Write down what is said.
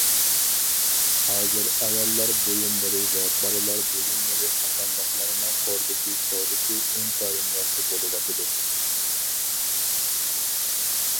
ھازىر ئاياللار بۇيۇملىرى ۋە بالىلار بۇيۇملىرى قاتارلىقلارنىڭ توردىكى سودىسى ئىنتايىن ياخشى بولۇۋاتىدۇ.